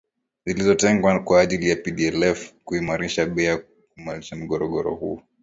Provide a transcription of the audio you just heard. Zilizotengwa kwa ajili ya PDLF ili kuimarisha bei na kumaliza mgogoro huo